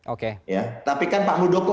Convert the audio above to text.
oke ya tapi kan pak muldoko